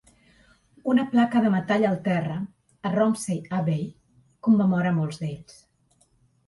Una placa de metall al terra a Romsey Abbey commemora molts d"ells.